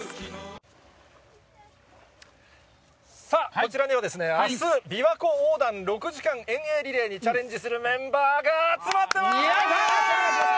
こちらには、あす、びわ湖横断リレー水泳大会６時間遠泳リレーにチャレンジするメンバーが集まっています。